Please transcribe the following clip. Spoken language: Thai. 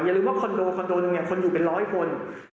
ลืมว่าคอนโดคอนโดหนึ่งเนี่ยคนอยู่เป็นร้อยคน